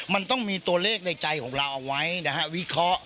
มันต้องมีตัวเลขในใจของเราเอาไว้นะฮะวิเคราะห์